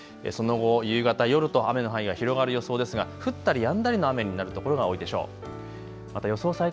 その後、夕方、夜と雨の範囲が広がる予想ですが降ったりやんだりの雨になるところが多いでしょう。